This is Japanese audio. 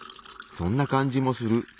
そんな感じもする。